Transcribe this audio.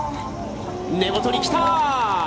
根元に来た。